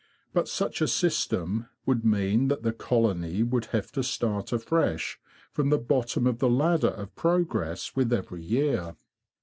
But such a system would mean that the colony would have to start afresh from the bottom of the ladder of progress with every year.